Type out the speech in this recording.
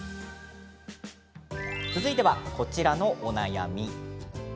続いては、こちらのお悩み。